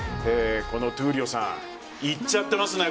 この闘莉王さんいっちゃってますね